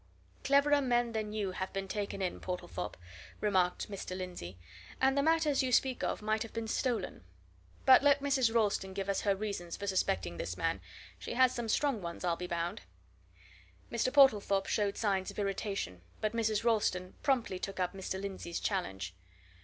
"Cleverer men than you have been taken in, Portlethorpe," remarked Mr. Lindsey. "And the matters you speak of might have been stolen. But let Mrs. Ralston give us her reasons for suspecting this man she has some strong ones, I'll be bound." Mr. Portlethorpe showed signs of irritation, but Mrs. Ralston promptly took up Mr. Lindsey's challenge.